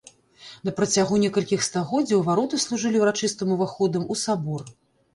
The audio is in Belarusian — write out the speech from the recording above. На працягу некалькіх стагоддзяў вароты служылі ўрачыстым уваходам у сабор.